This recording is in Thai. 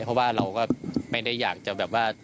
เพราะว่าเราก็ไม่ได้อยากจะแบบว่า